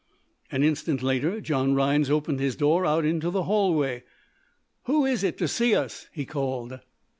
An instant later John Rhinds opened his door out into the hallway. "Who is it to see us?" he called.